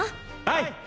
はい。